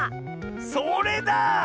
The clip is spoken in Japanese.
それだ！